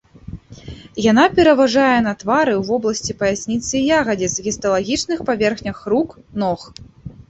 Яна пераважае на твары, у вобласці паясніцы і ягадзіц, гісталагічных паверхнях рук, ног.